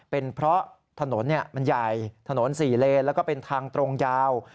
เป็นเพราะถนนมันใหญ่ถนน๔เลนแล้วก็เป็นทางตรงยาว